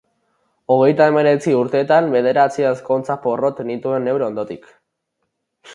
Hogeita hemeretzi urtetan, bederatzi ezkontza porrot nituen neure ondotik.